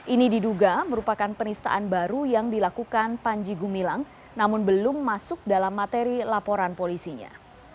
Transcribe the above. ini diduga merupakan penistaan baru yang dilakukan panji gumilang namun belum masuk dalam materi laporan polisinya